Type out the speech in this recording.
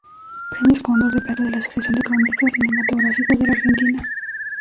Premios Cóndor de Plata de la Asociación de Cronistas Cinematográficos de la Argentina.